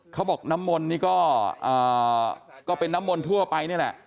เขาบอกน้ำมนต์นี่ก็เป็นน้ำมนต์ทั่วไปนี่แหละ